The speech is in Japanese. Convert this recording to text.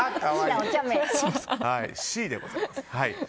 Ｃでございます。